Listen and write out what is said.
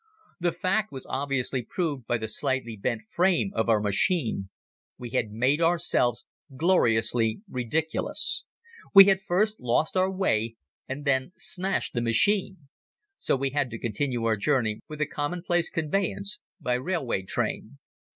The fact was obviously proved by the slightly bent frame of our machine. We had made ourselves gloriously ridiculous. We had first lost our way and then smashed the machine. So we had to continue our journey with the commonplace conveyance, by railway train.